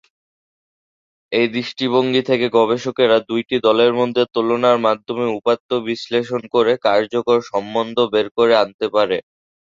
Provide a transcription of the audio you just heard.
এই দৃষ্টিভঙ্গি থেকে গবেষকেরা দুইটি দলের মধ্যে তুলনার মাধ্যমে উপাত্ত বিশ্লেষণ করে কার্যকারণ সম্বন্ধ বের করে আনতে পারে।